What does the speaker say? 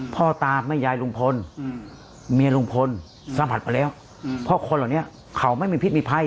พ่อตาแม่ยายลุงพลเมียลุงพลสัมผัสมาแล้วเพราะคนเหล่านี้เขาไม่มีพิษมีภัย